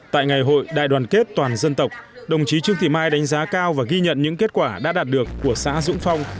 tại ngày hội đại đoàn kết toàn dân tộc đồng chí trương thị mai đánh giá cao và ghi nhận những kết quả đã đạt được của xã dũng phong